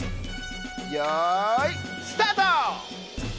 よいスタート！